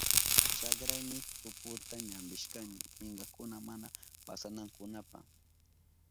Chakrayni tuputa ñampishkani minkakuna mana pasanankunapa.